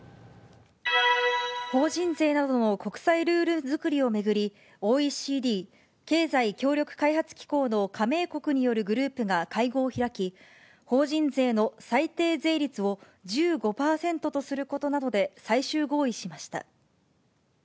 法人税などの国際ルール作りを巡り、ＯＥＣＤ・経済協力開発機構の加盟国によるグループが会合を開き、法人税の最低税率を１５％とすることなどで最終合意しました。